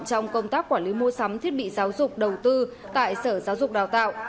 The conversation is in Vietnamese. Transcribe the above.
trong công tác quản lý mua sắm thiết bị giáo dục đầu tư tại sở giáo dục đào tạo